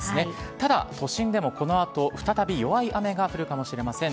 ただ都心でもこのあと、再び弱い雨が降るかもしれません。